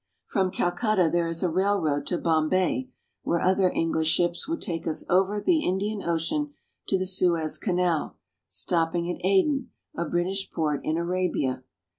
From Calcutta there is a rail road to Bombay, where other English ships would take us over the Indian Ocean to the Suez Canal, stopping at Aden, a British port in Arabia.